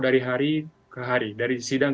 dari hari ke hari dari sidang